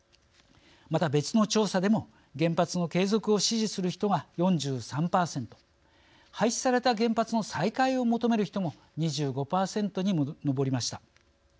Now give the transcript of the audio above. また、別の調査でも原発の継続を支持する人が４３％廃止された原発の再開を求める人も２５％に上りました。